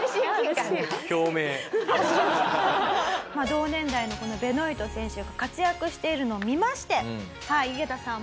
同年代のこのベノイト選手が活躍しているのを見ましてユゲタさん